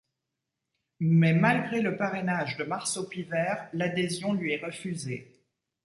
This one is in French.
Mais, malgré le parrainage de Marceau Pivert, l'adhésion lui est refusée.